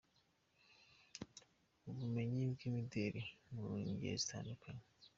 Ubumenyi By’imideli mu ngeri zitandukanye.